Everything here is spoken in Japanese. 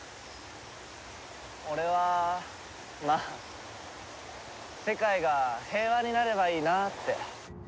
俺はまあ世界が平和になればいいなって。